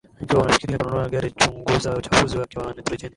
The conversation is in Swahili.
ikiwa unafikiria kununua gari chunguza uchafuzi wake wa nitrojeni